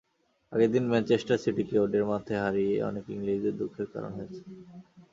আগের দিন ম্যানচেস্টার সিটিকে ওদের মাঠে হারিয়ে অনেক ইংলিশদের দুঃখের কারণ হয়েছেন।